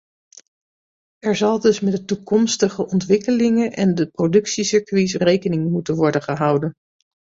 Er zal dus met de toekomstige ontwikkelingen en de productiecircuits rekening moeten worden gehouden.